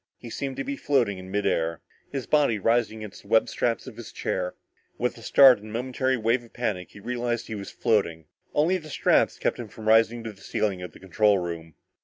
He seemed to be floating in mid air, his body rising against the webbed straps of his chair! With a start and a momentary wave of panic, he realized that he was floating! Only the straps kept him from rising to the ceiling of the control room!